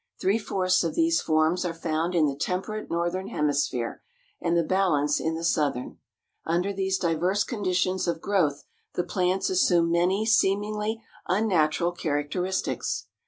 Three fourths of these forms are found in the temperate Northern Hemisphere and the balance in the Southern. Under these diverse conditions of growth the plants assume many seemingly unnatural characteristics.